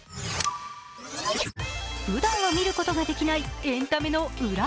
ふだんは見ることができない、エンタメの裏。